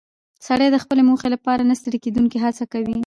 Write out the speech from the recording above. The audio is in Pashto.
سړی د خپلې موخې لپاره نه ستړې کېدونکې هڅه کوي